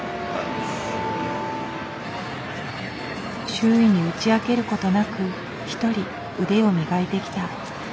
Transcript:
周囲に打ち明ける事なく一人腕を磨いてきた。